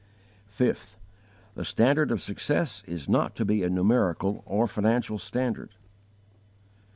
5. The standard of success is not to be a numerical or financial standard.